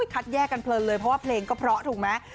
คัดแยกกันเพลินเลยเพราะว่าเพลงก็เพราะถูกไหม